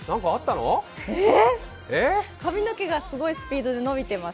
えっ、髪の毛がすごいスピードで伸びています。